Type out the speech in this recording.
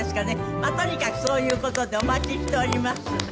まあとにかくそういう事でお待ちしております。